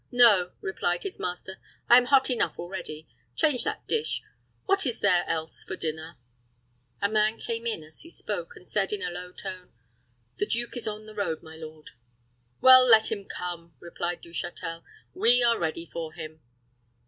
"No," replied his master; "I am hot enough already. Change that dish. What is there else for dinner?" A man came in as he spoke, and said, in a low voice, "The duke is on the road, my lord." "Well, let him come," replied Du Châtel. "We are ready for him."